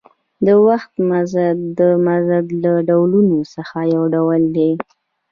د وخت مزد د مزد له ډولونو څخه یو ډول دی